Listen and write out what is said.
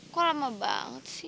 kok lama banget sih